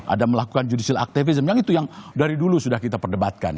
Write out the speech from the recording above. ada melakukan judicial activism yang itu yang dari dulu sudah kita perdebatkan